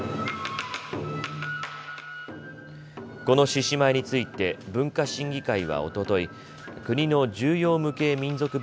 この獅子舞について文化審議会はおととい、国の重要無形民俗